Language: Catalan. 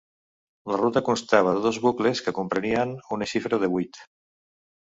La ruta constava de dos bucles que comprenien una xifra de vuit.